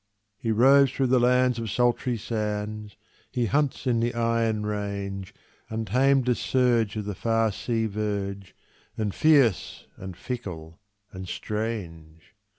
He roves through the lands of sultry sands, He hunts in the iron range, Untamed as surge of the far sea verge, And fierce and fickle and strange.